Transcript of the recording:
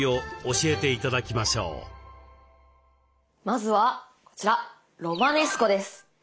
まずはこちらロマネスコです。